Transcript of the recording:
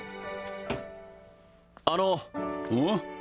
あのうん？